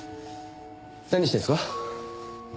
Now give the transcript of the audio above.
何してんすか？